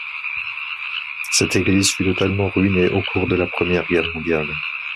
Cette église fut totalement ruinée au cours de la Première Guerre mondiale.